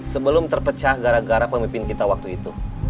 sebelum terpecah gara gara pemimpin kita waktu itu